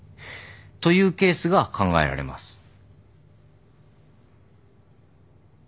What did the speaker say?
というケースが考えられます。